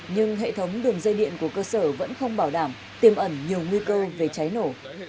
nhưng hệ thống đường dây điện của cơ sở vẫn không bảo đảm tiềm ẩn nhiều nguy cơ về cháy nổ